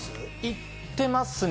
行ってますね。